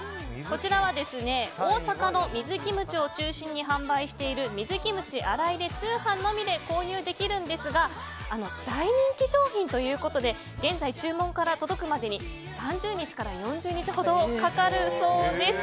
こちらは大阪の水キムチを中心に販売している水キムチあらいで通販のみで購入できるんですが大人気商品ということで現在、注文から届くまでに３０日から４０日ほどかかるそうです。